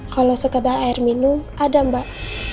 kalau sekedar air minum ada mbak